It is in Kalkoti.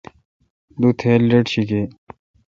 دو تھیر لیٹ شی گے۔